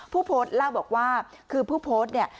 ผู้โพสต์เล่าบอกว่าคือผู้โพสต์เนี่ย